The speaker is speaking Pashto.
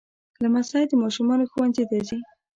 لمسی د ماشومانو ښوونځي ته ځي.